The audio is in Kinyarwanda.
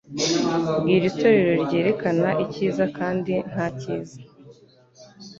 Bwira itorero ryerekana Icyiza, kandi nta cyiza: